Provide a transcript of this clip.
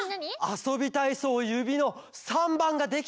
「あそびたいそう」の３ばんができたんだって！